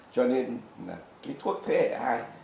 cho nên là cái thuốc thế hệ hai